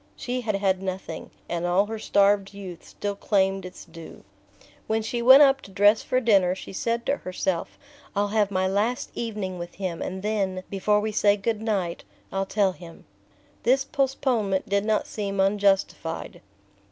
She had had nothing, and all her starved youth still claimed its due. When she went up to dress for dinner she said to herself: "I'll have my last evening with him, and then, before we say good night, I'll tell him." This postponement did not seem unjustified.